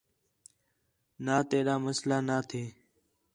نات ایݙا مسئلہ نا تھے